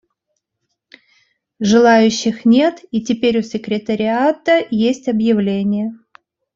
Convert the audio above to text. Желающих нет, и теперь у секретариата есть объявления.